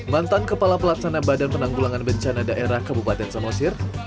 mantan kepala pelaksana badan penanggulangan bencana daerah kabupaten samosir